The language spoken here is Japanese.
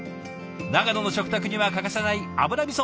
長野の食卓には欠かせない油みそ。